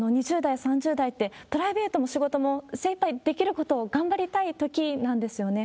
２０代、３０代って、プライベートも仕事も精いっぱいできることを頑張りたいときなんですよね。